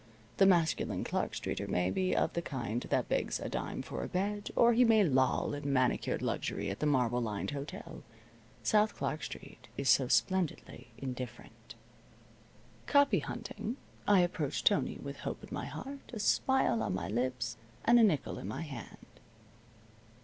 The masculine Clark Streeter may be of the kind that begs a dime for a bed, or he may loll in manicured luxury at the marble lined hotel. South Clark Street is so splendidly indifferent. Copy hunting, I approached Tony with hope in my heart, a smile on my lips, and a nickel in my hand.